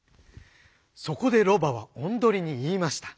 そこでロバはおんどりに言いました。